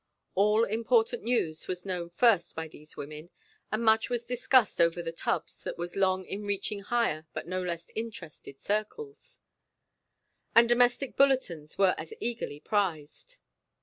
All important news was known first by these women, and much was discussed over the tubs that was long in reaching higher but no less interested circles; and domestic bulletins were as eagerly prized.